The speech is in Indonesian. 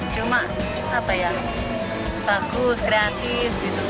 cuma bagus kreatif